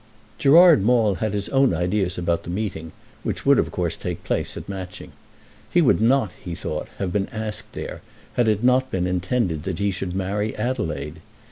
Gerard Maule had his ideas about the meeting which would of course take place at Matching. He would not, he thought, have been asked there had it not been intended that he should marry Adelaide.